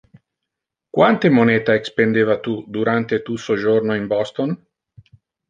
Quante moneta expendeva tu durante tu sojorno in Boston?